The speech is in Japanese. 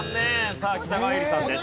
さあ北川悠理さんです。